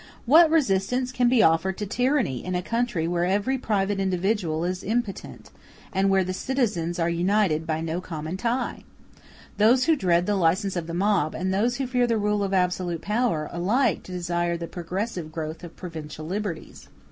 What resistance can be offered to tyranny in a country where every private individual is impotent, and where the citizens are united by no common tie? Those who dread the license of the mob, and those who fear the rule of absolute power, ought alike to desire the progressive growth of provincial liberties.